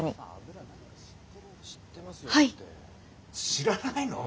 知らないの？